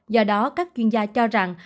do đó các chuyên gia cho rằng